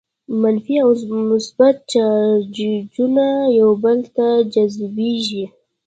منفي او مثبت چارجونه یو بل ته جذبیږي.